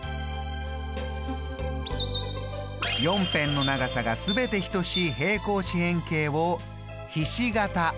４辺の長さが全て等しい平行四辺形をひし形。